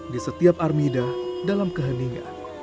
di setiap armida dalam keheningan